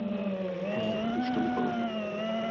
হ্যাঁ, দুষ্টুমি করে না।